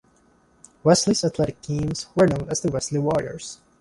Wesley's athletic teams were known as the Wesley Warriors.